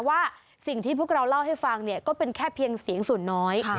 ว่าสิ่งที่พวกเราเล่าให้ฟังเนี่ยก็เป็นแค่เพียงเสียงส่วนน้อย